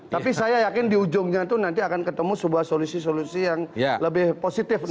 tapi saya yakin di ujungnya itu nanti akan ketemu sebuah solusi solusi yang lebih positif